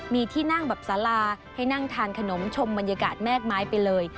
มีที่นั่งแบบสาราให้นั่งทานขนมชมบรรยากาศแม่กไม้ไปเลย